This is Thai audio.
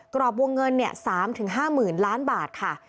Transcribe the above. กรอบวงเงิน๓๕๐๐๐ล้านบาทค่ะ